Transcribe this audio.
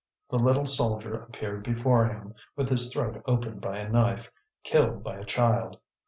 The little soldier appeared before him, with his throat opened by a knife, killed by a child.